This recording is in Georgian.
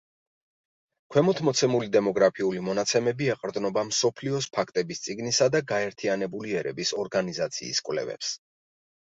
ქვემოთ მოცემული დემოგრაფიული მონაცემები ეყრდნობა მსოფლიოს ფაქტების წიგნისა და გაერთიანებული ერების ორგანიზაციის კვლევებს.